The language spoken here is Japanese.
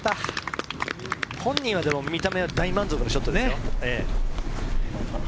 本人は見た目、大満足のショットですよ。